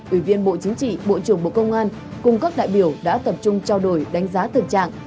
ủy viên bộ chính trị bộ trưởng bộ công an cùng các đại biểu đã tập trung trao đổi đánh giá thực trạng